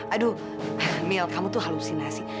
aduh hamil kamu tuh halusinasi